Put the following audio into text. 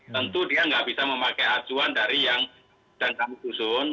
tentu dia nggak bisa memakai acuan dari yang datang the zone